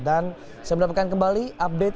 dan saya mendapatkan kembali update